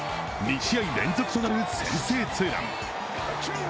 ２試合連続となる先制ツーラン。